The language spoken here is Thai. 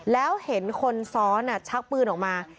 แล้วเห็นคนซ้อนชักปืนออกมา